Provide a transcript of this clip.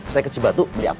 saya ke cibatu beli apa